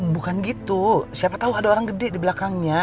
bukan gitu siapa tahu ada orang gede di belakangnya